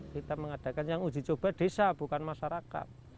kita mengadakan yang uji coba desa bukan masyarakat